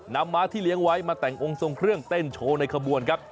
ม้าที่เลี้ยงไว้มาแต่งองค์ทรงเครื่องเต้นโชว์ในขบวนครับ